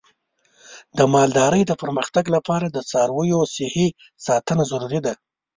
د مالدارۍ د پرمختګ لپاره د څارویو صحي ساتنه ضروري ده.